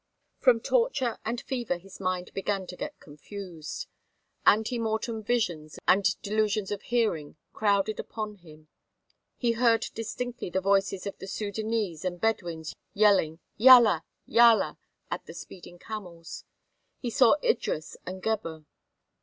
From torture and fever his mind began to get confused. Ante mortem visions and delusions of hearing crowded upon him. He heard distinctly the voices of the Sudânese and Bedouins yelling "Yalla! Yalla!" at the speeding camels. He saw Idris and Gebhr.